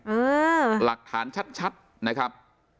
อือหลักฐานชัดชัดนะครับ